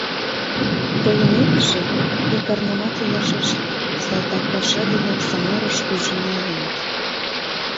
Толмекыже, ик арнямат илаш ыш лий, салтак паша денак Самарыш ӱжын налыныт.